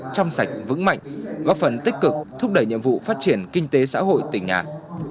chăm sạch vững mạnh góp phần tích cực thúc đẩy nhiệm vụ phát triển kinh tế xã hội tỉnh nghệ an